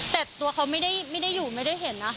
แต่ตัวเขาไม่ได้อยู่ไม่ได้เห็นนะ